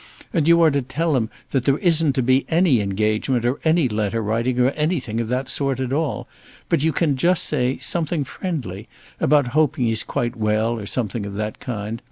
And you are to tell him that there isn't to be any engagement, or any letter writing, or anything of that sort at all. But you can just say something friendly, about hoping he's quite well, or something of that kind.